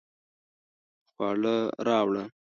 خواړه راوړه